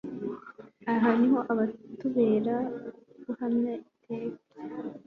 Aha niho ubutabera buhana iteka